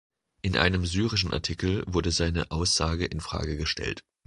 In einem syrischen Artikel wurde seine Aussage in Frage gestellt.